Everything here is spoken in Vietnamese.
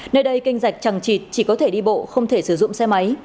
nơi đây kênh rạch chẳng chịt chỉ có thể đi bộ không thể sử dụng xe máy